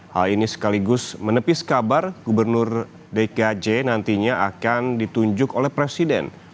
hal ini sekaligus menepis kabar gubernur dkj nantinya akan ditunjuk oleh presiden